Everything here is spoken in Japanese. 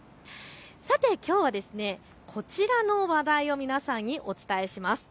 さて、きょうはこちらの話題を皆さんにお伝えします。